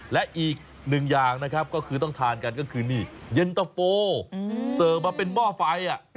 และอีกหนึ่งอย่างนะครับก็คือต้องทานกันก็คือนี่เย็นตะโฟเสิร์ฟมาเป็นหม้อไฟ